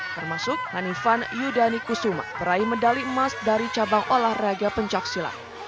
termasuk hanifan yudhani kusuma meraih medali emas dari cabang olahraga pemkap silat